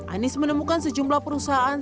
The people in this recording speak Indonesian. anies menemukan sejumlah perusahaan